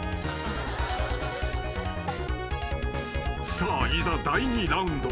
［さあいざ第２ラウンド］